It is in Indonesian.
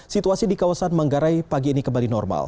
situasi di kawasan manggarai pagi ini kembali normal